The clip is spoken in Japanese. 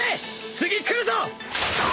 次くるぞ！